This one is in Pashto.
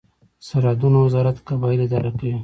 د سرحدونو وزارت قبایل اداره کوي